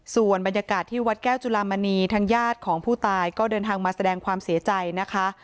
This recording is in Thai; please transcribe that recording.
ส่วนบรรยากาศที่วัดแก้วจุลามณีทางญาติของผู้ตายก็เดินทางมาแสดงความเสียใจนะคะ